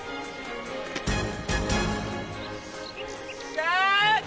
さあ！